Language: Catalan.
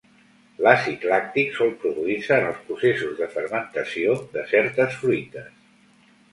L'àcid làctic sol produir-se en els processos de fermentació de certes fruites.